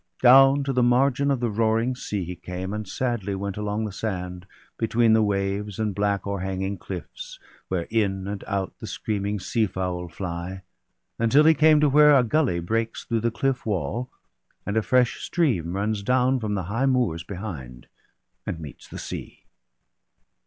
Down to the margin of the roaring sea He came, and sadly went along the sand, Between the waves and black o'erhanging cliffs Where in and out the screaming seafowl fly; Until he came to v/here a gully breaks Through the cliff' wall, and a fresh stream runs down From the high moors behind, and meets the sea.